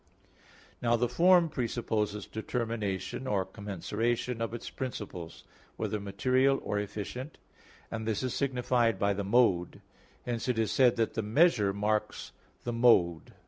Now the form presupposes determination or commensuration of its principles, whether material or efficient, and this is signified by the mode: hence it is said that the measure marks the mode.